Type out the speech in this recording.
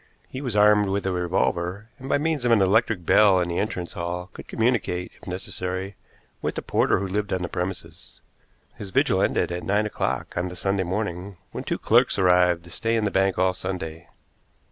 He was armed with a revolver, and by means of an electric bell in the entrance hall could communicate, if necessary, with the porter who lived on the premises. His vigil ended at nine o'clock on the Sunday morning, when two clerks arrived to stay in the bank all Sunday.